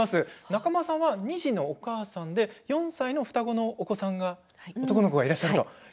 仲間さんは２児のお母さんで４歳の双子のお子さん男の子がいらっしゃいます。